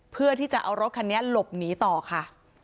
เพื่อที่จะเอารถคันนี้หลบหนีต่อค่ะ